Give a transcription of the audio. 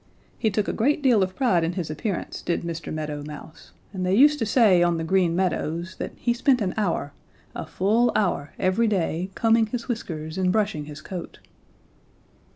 He took a great deal of pride in his appearance, did Mr. Meadow Mouse, and they used to say on the Green Meadows that he spent an hour, a full hour, every day combing his whiskers and brushing his coat.